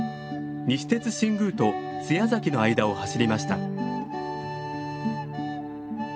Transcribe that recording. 西鉄新宮と津屋崎の間を走りました。